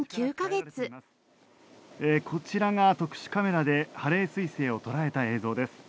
「こちらが特殊カメラでハレー彗星を捉えた映像です」